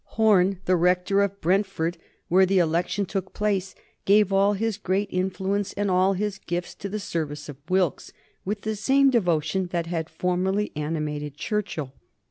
Horne, the Rector of Brentford, where the election took place, gave all his great influence and all his gifts to the service of Wilkes with the same devotion that had formerly animated Churchill.